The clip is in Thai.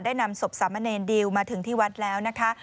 นำศพสามเณรดิวมาถึงที่วัดแล้วนะคะ